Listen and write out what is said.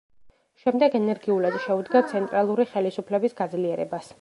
შემდეგ ენერგიულად შეუდგა ცენტრალური ხელისუფლების გაძლიერებას.